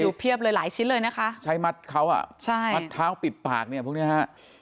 เพียบเลยหลายชิ้นเลยนะคะใช้มัดเขาอ่ะใช่มัดเท้าปิดปากเนี่ยพวกเนี้ยฮะ